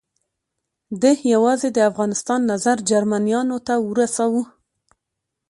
ده یوازې د افغانستان نظر جرمنیانو ته ورساوه.